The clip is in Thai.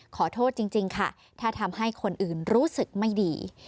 ขอโทษจริงค่ะถ้าทำให้คนอื่นรู้สึกไม่ดี